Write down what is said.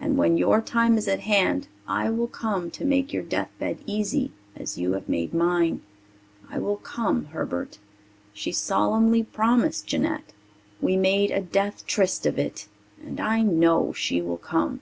And when your time is at hand I will come to make your deathbed easy as you have made mine. I will come, Herbert.' She solemnly promised, Jeanette. We made a death tryst of it. And I know she will come."